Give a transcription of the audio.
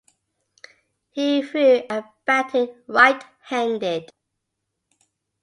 He threw and batted right-handed.